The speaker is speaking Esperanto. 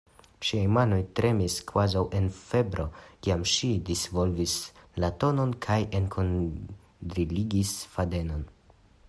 Ŝiaj manoj tremis kvazaŭ en febro, kiam ŝi disvolvis la tolon kaj enkudriligis fadenon.